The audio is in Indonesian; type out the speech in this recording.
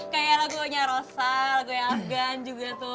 kayak lagunya rosal lagu yang afgan juga tuh